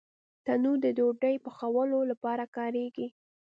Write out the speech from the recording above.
تنور د ډوډۍ پخولو لپاره کارېږي